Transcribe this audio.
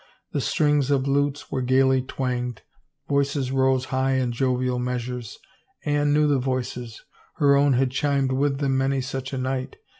The strings of lutes were gayly twanged, voices rose high in jovial measures. Anne knew the voices — her own had chimed with them many such a night.